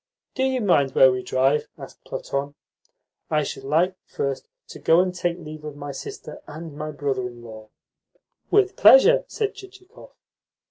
"Do you mind where we drive?" asked Platon. "I should like first to go and take leave of my sister and my brother in law." "With pleasure," said Chichikov.